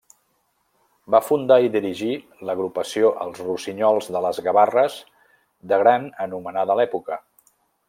Va fundar i dirigir l'agrupació Els Rossinyols de les Gavarres de gran anomenada a l'època.